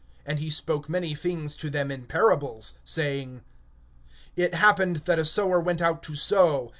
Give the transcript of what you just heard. (3)And he spoke many things to them in parables, saying: (4)Behold, the sower went forth to sow.